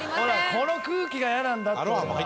この空気が嫌なんだって俺は。